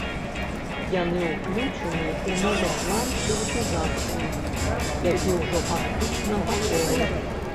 Яны ўключаны у новы план прыватызацыі, які ўжо фактычна гатовы.